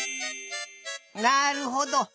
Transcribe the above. なるほど。